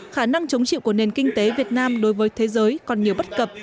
khả năng chống chịu của nền kinh tế việt nam đối với thế giới còn nhiều bất cập